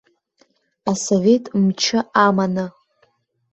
Асовет мчы аманы.